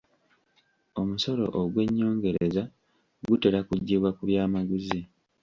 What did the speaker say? Omusolo ogw'ennyongereza gutera kuggyibwa ku byamaguzi.